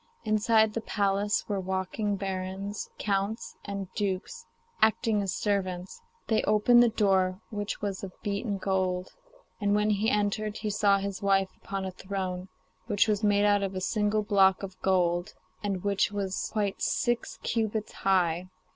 Inside the palace were walking barons, counts, and dukes, acting as servants; they opened the door, which was of beaten gold. And when he entered, he saw his wife upon a throne which was made out of a single block of gold, and which was quite six cubits high.